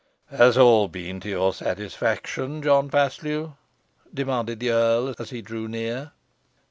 "Has all been done to your satisfaction, John Paslew?" demanded the earl, as he drew near.